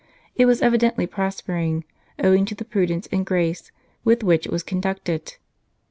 It was evidently prospering, owing to the prudence and grace wdth which it was conducted.